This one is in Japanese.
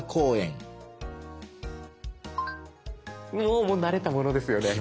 おもう慣れたものですよね。